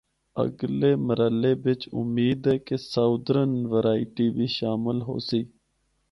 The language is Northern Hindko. اگلے مرحلے بچ امید ہے کہ ساؤدرن ورائٹی بھی شامل ہوسی۔